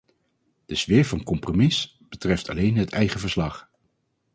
De sfeer van compromis betreft alleen het eigen verslag.